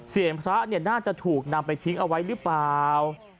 พระน่าจะถูกนำไปทิ้งเอาไว้หรือเปล่า